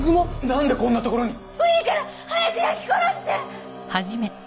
何でこんな所に⁉いいから！早く焼き殺して！